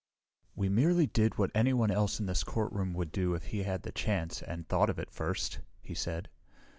"We merely did what anyone else in this courtroom would do if he had the chance, and thought of it first," he said.